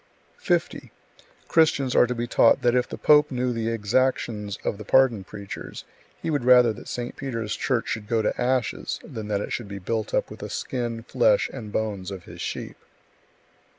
50. Christians are to be taught that if the pope knew the exactions of the pardon preachers, he would rather that St. Peter's church should go to ashes, than that it should be built up with the skin, flesh and bones of his sheep.